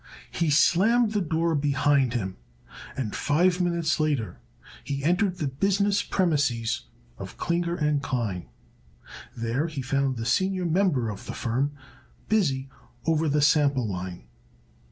He slammed the door behind him and five minutes later he entered the business premises of Klinger & Klein. There he found the senior member of the firm busy over the sample line.